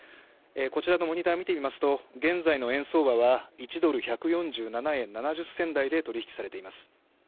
こちらのモニターを見てみますと現在の円相場は１ドル＝１４７円７０銭台で取引されています。